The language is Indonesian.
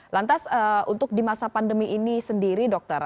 lantas untuk di masa pandemi ini sendiri dokter